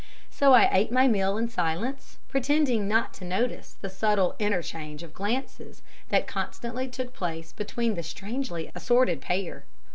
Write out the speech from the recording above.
So I ate my meal in silence, pretending not to notice the subtle interchange of glances that constantly took place between the strangely assorted pair.